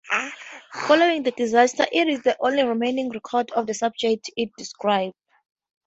Following the disaster, it is the only remaining record of the subjects it describes.